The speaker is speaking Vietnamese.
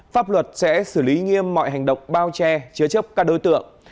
pháp luật sẽ xử lý nghiêm mọi hành động bao che chứa chấp các đối tượng